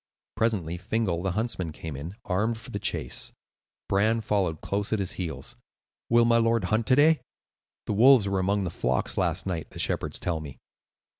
Presently Fingal, the huntsman, came in, armed for the chase. Bran followed close at his heels. "Will my lord hunt to day? The wolves were among the flocks last night, the shepherds tell me."